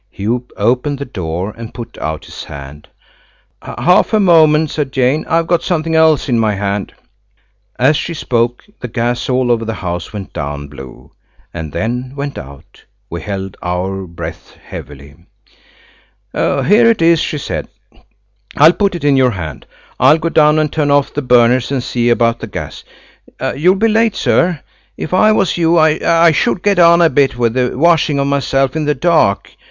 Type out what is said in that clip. He opened the door and put out his hand. "Half a moment," said Jane, "I've got something else in my hand." As she spoke the gas all over the house went down blue, and then went out. We held our breaths heavily. "Here it is," she said; "I'll put it in your hand. I'll go down and turn off the burners and see about the gas. You'll be late, sir. If I was you I should get on a bit with the washing of myself in the dark.